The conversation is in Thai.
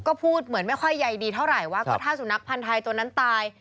ก็พูดเหมือนไม่ค่อยใยดีเท่าไหร่ว่าก็ถ้าสุนัขพันธ์ไทยตัวนั้นตาย